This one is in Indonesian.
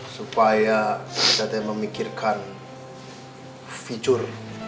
supaya kita memikirkan fitur